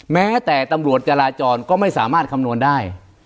แม้แต่ตำรวจจราจรก็ไม่สามารถคำนวณได้